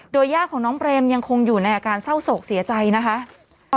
โดยย่าของน้องเปรมยังคงอยู่ในอาการเศร้าโศกเสียใจนะคะ